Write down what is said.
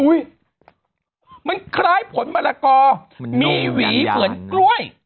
มันคล้ายผลมะละกอมีหวีเหมือนกล้วย